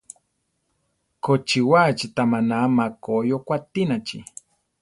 Kochiwaachi ta maná makoí okua tinachi?